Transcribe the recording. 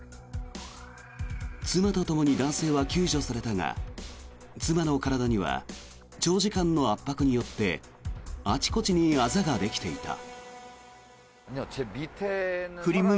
妻とともに男性は救助されたが妻の体には長時間の圧迫によってあちこちにあざができていた。